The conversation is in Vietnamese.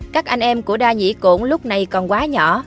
các anh em của đa nhĩ cổn lúc này còn quá nhỏ